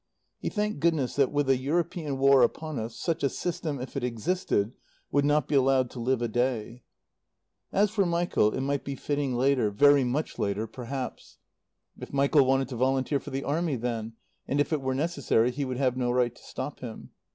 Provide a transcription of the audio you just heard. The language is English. He thanked goodness that, with a European War upon us, such a system, if it existed, would not be allowed to live a day. As for Michael, it might be fitting later very much later perhaps. If Michael wanted to volunteer for the Army then, and if it were necessary, he would have no right to stop him.